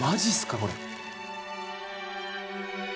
これ。